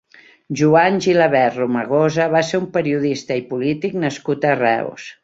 Joan Gilabert Romagosa va ser un periodista i polític nascut a Reus.